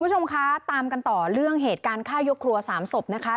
คุณผู้ชมคะตามกันต่อเรื่องเหตุการณ์ฆ่ายกครัว๓ศพนะคะ